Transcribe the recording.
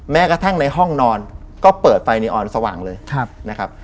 แม้กระทั่งในห้องนอนก็เปิดไฟในออนสว่างเลยนะครับ